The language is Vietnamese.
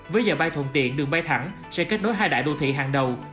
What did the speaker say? với giờ bay thuận tiện đường bay thẳng sẽ kết nối hai đại đô thị hàng đầu